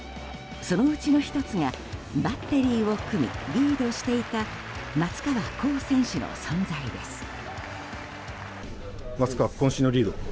そのうちの１つがバッテリーを組むリードしていた松川虎生選手の存在です。